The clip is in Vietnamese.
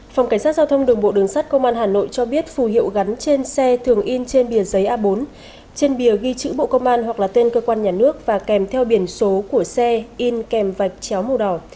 phòng cảnh sát giao thông đường bộ đường sắt công an hà nội cho biết phù hiệu gắn trên xe thường in trên bìa giấy a bốn trên bìa ghi chữ bộ công an hoặc là tên cơ quan nhà nước và kèm theo biển số của xe in kèm vạch chéo màu đỏ